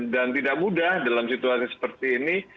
dan tidak mudah dalam situasi seperti ini